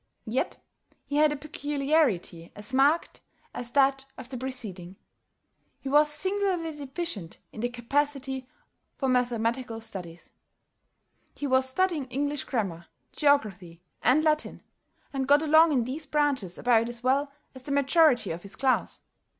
Yet he had a peculiarity as marked as that of the preceding. He was singularly deficient in the capacity for mathematical studies. He was studying English grammar, geography, and Latin, and got along in these branches about as well as the majority of his class.